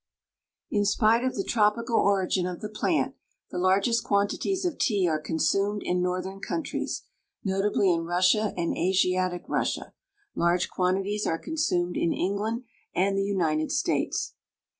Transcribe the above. In spite of the tropical origin of the plant the largest quantities of tea are consumed in northern countries, notably in Russia and Asiatic Russia. Large quantities are consumed in England and the United States.